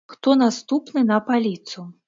Хто наступны на паліцу?